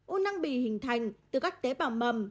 u năng bì hình thành từ các tế bào mầm